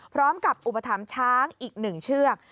พร้อมกับอุปธรรมช้างอีกหนึ่งเชือก